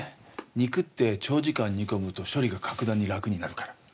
肉って長時間煮込むと処理が格段に楽になるから。